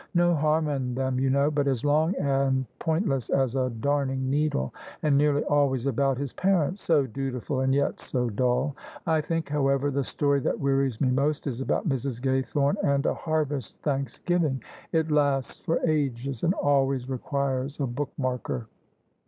No harm in them, you know, but as long and pointless as a darning needle. And nearly always about his parents; so dutiful and yet so dull! I think, however, the story that wearies me most is about Mrs. Gaythome and a harvest thanksgiving. It lasts for ages, and always requires a book marker."